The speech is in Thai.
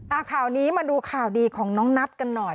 ข่าวนี้มาดูข่าวดีของน้องนัทกันหน่อย